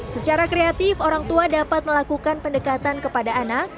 secara kreatif orang tua dapat melakukan pendekatan kepada anak